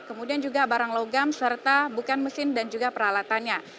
kemudian juga barang logam serta bukan mesin dan juga peralatannya